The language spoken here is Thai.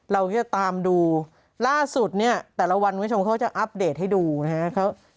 เราจะตามดูล่าสุดเนี่ยแต่ละวันคุณผู้ชมเขาจะอัปเดตให้ดูนะครับ